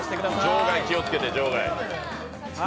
場外気をつけて、場外。